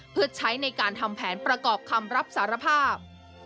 เพื่อใช้ในการทำแผนประกอบคำรับสารภาพ